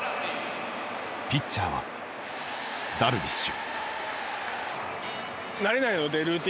ピッチャーはダルビッシュ。